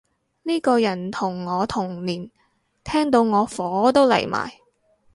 呢個人同我同年，聽到我火都嚟埋